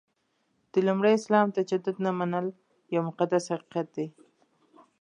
د لومړي اسلام تجدید نه منل یو مقدس حقیقت دی.